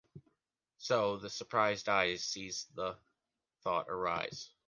So, the surprised eye sees the thought arise.